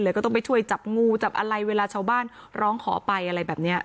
ก็ต้องไปช่วยจับงูจับอะไรเวลาชาวบ้านร้องขอไปอะไรแบบนี้